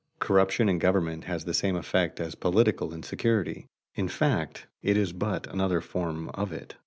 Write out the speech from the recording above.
_ Corruption in government has the same effect as political insecurity; in fact, it is but another form of it.